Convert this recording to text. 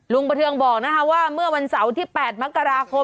ลุงประเทิงบอกนะคะว่าเมื่อวันเสาร์ที่๘มค